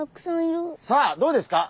さあどうですか？